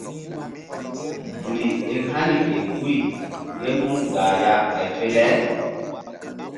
Duli eŋ hani ke guy ké mun gah ya ɓay fe le.